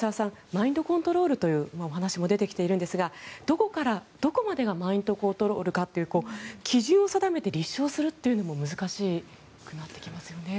マインドコントロールというお話も出てきていますがどこからどこまでがマインドコントロールという基準を定めて立証するのも難しくなってきますよね。